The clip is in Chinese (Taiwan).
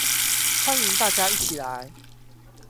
歡迎大家一起來